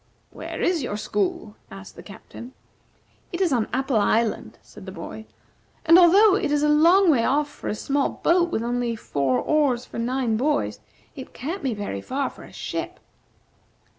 "Where is your school?" asked the Captain. "It is on Apple Island," said the boy; "and, although it is a long way off for a small boat with only four oars for nine boys, it can't be very far for a ship."